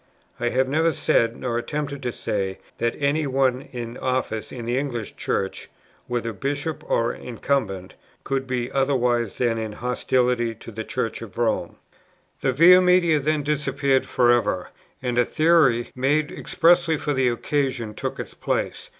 I have never said, nor attempted to say, that any one in office in the English Church, whether Bishop or incumbent, could be otherwise than in hostility to the Church of Rome." The Via Media then disappeared for ever, and a Theory, made expressly for the occasion, took its place.